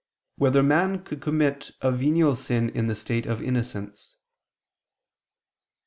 3] Whether Man Could Commit a Venial Sin in the State of Innocence?